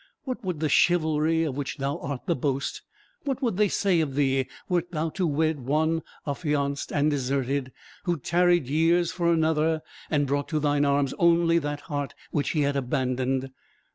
What would the chivalry of which thou art the boast what would they say of thee, wert thou to wed one affianced and deserted, who tarried years for another, and brought to thine arms only that heart which he had abandoned?